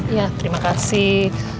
ya terima kasih